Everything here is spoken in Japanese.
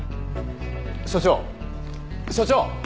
所長所長！